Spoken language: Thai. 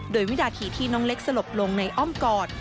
โดยวินาทีที่น้องเล็กสลบลงในอ้อมกอด